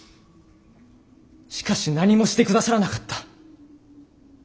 しかし何もしてくださらなかった。